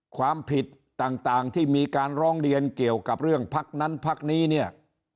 ความผิดต่างที่มีการร้องเรียนเกี่ยวกับเรื่องพักนั้นพักนี้เนี่ย